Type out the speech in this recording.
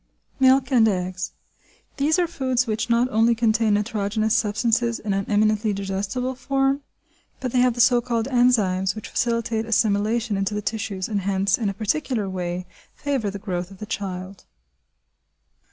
Milk and Eggs. These are foods which not only contain nitrogenous substances in an eminently digestible form, but they have the so called enzymes which facilitate assimilation into the tissues, and, hence, in a particular way, favour the growth of the child.